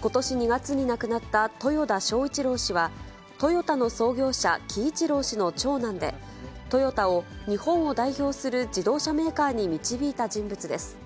ことし２月に亡くなった豊田章一郎氏は、トヨタの創業者、喜一郎氏の長男で、トヨタを日本を代表する自動車メーカーに導いた人物です。